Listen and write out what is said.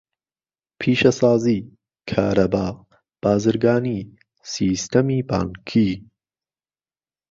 پیشەسازی، کارەبا، بازرگانی، سیستەمی بانکی.